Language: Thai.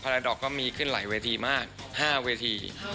ราดอกก็มีขึ้นหลายเวทีมาก๕เวที